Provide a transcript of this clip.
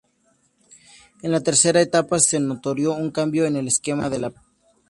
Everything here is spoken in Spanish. En la tercera etapa es notorio un cambio en el esquema de la plana.